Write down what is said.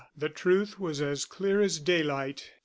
The truth was as clear as daylight.